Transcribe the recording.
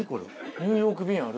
ニューヨーク便ある。